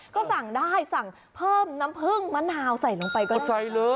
ก็สั่งได้สั่งเพิ่มน้ำพึงมะนาวใส่ลงไปก็ได้